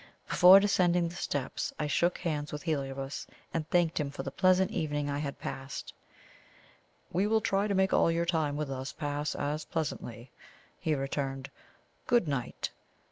Before descending the steps I shook hands with Heliobas, and thanked him for the pleasant evening I had passed. "We will try to make all your time with us pass as pleasantly," he returned. "Good night!